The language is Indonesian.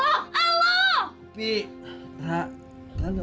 ra ra nggak perlu berantakan